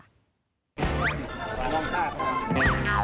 วิดีโอเติมค่ะ